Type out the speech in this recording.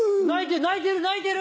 泣いてる泣いてる！